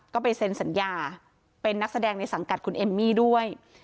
ก็ไปเซ็นสัญญาเป็นนักแสดงในสังกัดคุณเอมมี่ด้วย